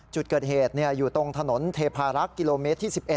จุดเกิดเหตุอยู่ตรงถนนเทพารักษ์กิโลเมตรที่๑๑